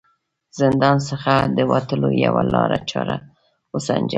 زندان څخه د وتلو یوه لاره چاره و سنجوم.